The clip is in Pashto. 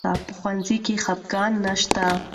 په ښوونځي کې خفګان نه شته.